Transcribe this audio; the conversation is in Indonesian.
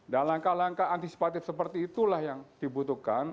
dan langkah langkah antisipatif seperti itulah yang dibutuhkan